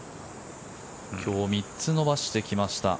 今日３つ伸ばしてきました。